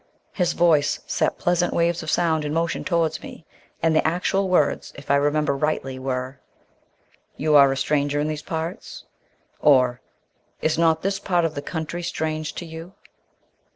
His voice set pleasant waves of sound in motion towards me, and the actual words, if I remember rightly, were "You are a stranger in these parts?" or "Is not this part of the country strange to you?"